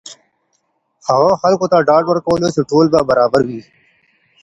هغه خلکو ته ډاډ ورکولو چې ټول به برابر وي.